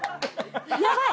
「やばい！